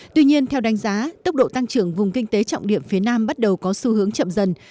tuy nhiên theo đánh giá tốc độ tăng trưởng vùng kinh tế trọng điểm phía nam bắt đầu có xu hướng chậm dần